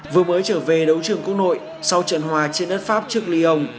vừa mới trở về đấu trường quốc nội sau trận hòa trên đất pháp trước lyon